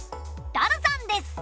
ダルさんです。